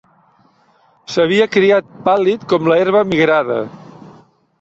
S'havia criat, pàl·lid com l'herba migrada.